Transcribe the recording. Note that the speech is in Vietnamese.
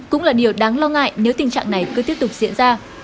cũng là điều đáng lo ngại nếu tình trạng này cứ tiếp tục diễn ra